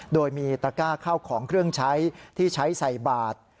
โดยมีตระก้าเข้าของเครื่องใช้ที่ใช้ใส่บาท